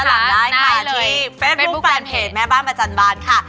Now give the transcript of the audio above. ย้อนหลังได้ค่ะที่เฟซบุ๊กแปลนเพจแม่บ้านอาจารย์บ้านค่ะ